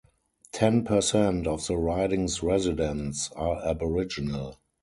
Ten per cent of the riding's residents are aboriginal.